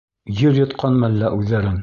Ер йотҡанмы әллә үҙҙәрен?